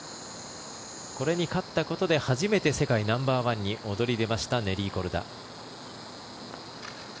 これに勝ったことで初めて世界ナンバーワンに躍り出ましたネリー・コルダ。